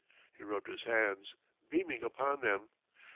He rubbed his hands, beaming upon them.